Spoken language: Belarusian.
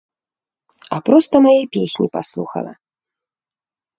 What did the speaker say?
А проста мае песні паслухала!